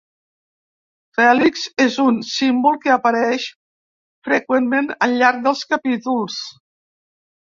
L'hèlix és un símbol que apareix freqüentment al llarg dels capítols.